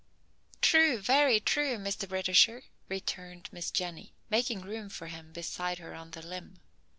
"True, very true, Mr. Britisher," returned Miss Jenny, making room for him beside her on the limb.